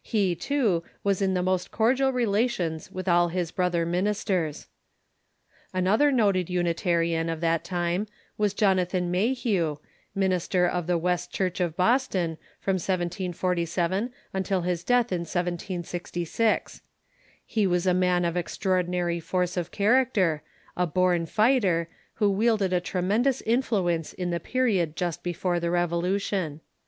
He, too, was in the most cordial relations with all his brother minis ters. Another noted Unitarian of that time was Jonathan Mayhew, minister of the West Church of Boston from 1747 until his death in 17G6. He was a man of extraordinary force of character, a born fighter, who wielded a tremendous influ ence in the period just before the Revolution.